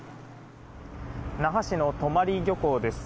那覇市の泊漁港です。